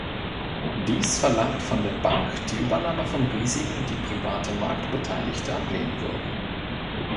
Dies verlangt von der Bank die Übernahme von Risiken, die private Marktbeteiligte ablehnen würden.